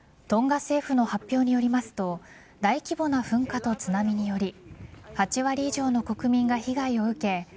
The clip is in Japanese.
トンガ政府の発表によりますと大規模な噴火と津波により８割以上の国民が被害を受け